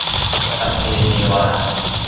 สัพเพเทวา